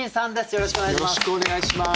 よろしくお願いします。